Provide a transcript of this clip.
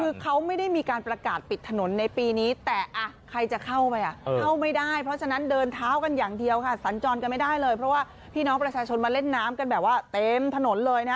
คือเขาไม่ได้มีการประกาศปิดถนนในปีนี้แต่ใครจะเข้าไปอ่ะเข้าไม่ได้เพราะฉะนั้นเดินเท้ากันอย่างเดียวค่ะสัญจรกันไม่ได้เลยเพราะว่าพี่น้องประชาชนมาเล่นน้ำกันแบบว่าเต็มถนนเลยนะ